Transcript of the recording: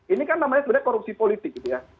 ini kan namanya sebenarnya korupsi politik gitu ya